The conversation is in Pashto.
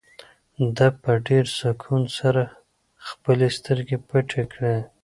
ده په ډېر سکون سره خپلې سترګې پټې کړې.